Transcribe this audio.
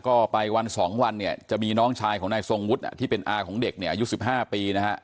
ก็ไปวัน๒วันเนี่ยจะมีน้องชายของนายทรงวุฒิที่เป็นอาของเด็กเนี่ยอายุ๑๕ปีนะฮะ